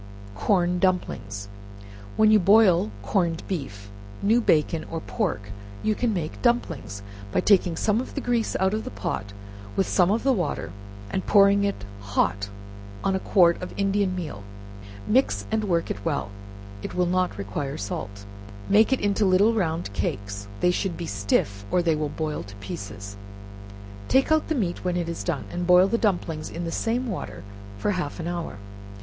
Corn Dumplings. When you boil corned beef, new bacon, or pork, you can make dumplings, by taking some grease out of the pot, with some of the water, and pouring it hot on a quart of Indian meal, mix and work it well, (it will not require salt,) make it into little round cakes; (they should be stiff, or they will boil to pieces;) take out the meat when it is done, and boil the dumplings in the same water for half an hour.